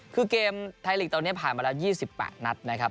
คือเกมไทยลีกตอนนี้ผ่านมาแล้ว๒๘นัดนะครับ